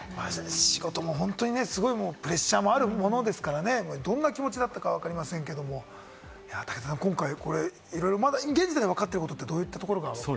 仕事もプレッシャーもあるものですからね、どんな気持ちだったかわかりませんけれども、武田さん、今回まだ現時点でわかってること、どういったところが。